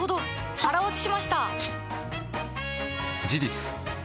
腹落ちしました！